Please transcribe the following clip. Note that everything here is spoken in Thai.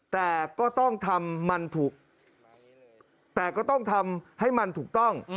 แต่ก็ต้องทำมันถูกแต่ก็ต้องทำให้มันถูกต้อง